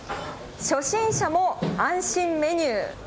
初心者も安心メニュー。